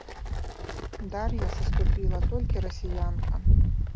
Дар'я саступіла толькі расіянкам.